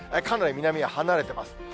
かなり南に離れています。